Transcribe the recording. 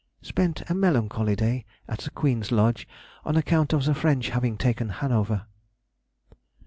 _—Spent a melancholy day at the Queen's Lodge on account of the French having taken Hanover.